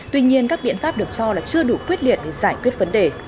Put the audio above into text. tuy nhiên các biện pháp được cho là chưa đủ quyết liệt để giải quyết vấn đề